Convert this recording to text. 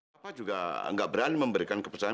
papa juga gak berani memberikan kepercayaan